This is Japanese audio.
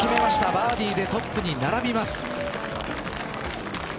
バーディーでトップに並びます。